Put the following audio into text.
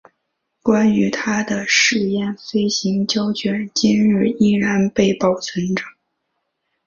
关于他的试验飞行胶卷今日依然被保存着。